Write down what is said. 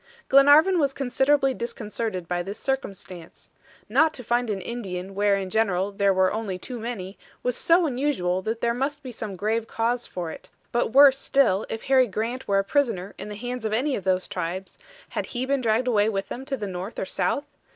Glenarvan was considerably disconcerted by this circumstance. Not to find an Indian where in general there were only too many, was so unusual that there must be some grave cause for it; but worse still if Harry Grant were a prisoner in the hands of any of those tribes, had he been dragged away with them to the north or south?